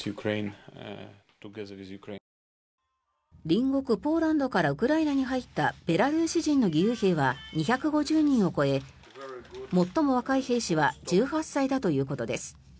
隣国ポーランドからウクライナに入ったベラルーシ人の義勇兵は２５０人を超え最も若い兵士は１８歳だということです。